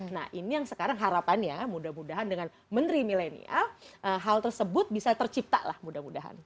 nah ini yang sekarang harapannya mudah mudahan dengan menteri milenial hal tersebut bisa tercipta lah mudah mudahan